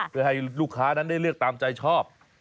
เพื่อให้ลูกค้านั้นได้เลือกตามใจชอบ